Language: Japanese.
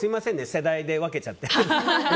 世代で分けちゃって。